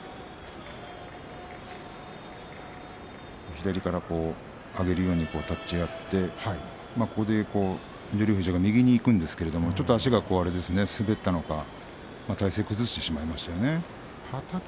左から相手を上げるように立ち会って翠富士、右にいくんですがちょっと足が滑ったのか体勢を崩してしまいましたね。